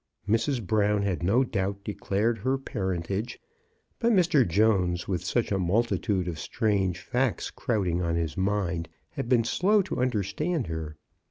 Mrs. Brown had no doubt declared her parentage, but Mr. Jones, with such a multitude of strange facts crowding on his mind, had been slow to un derstand her.